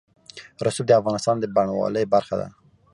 رسوب د افغانستان د بڼوالۍ برخه ده.